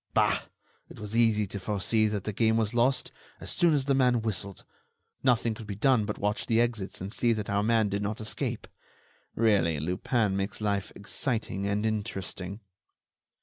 Bah! It was easy to foresee that the game was lost, as soon as the man whistled; nothing could be done but watch the exits and see that our man did not escape. Really, Lupin makes life exciting and interesting."